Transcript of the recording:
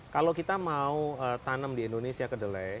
kalau kita mau tanam di indonesia kedelai